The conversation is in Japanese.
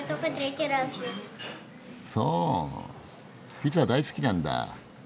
ピザ大好きなんだ。